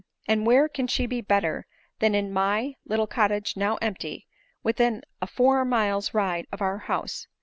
And where can she be better than in my little cottage now empty, within a four miles ride of our house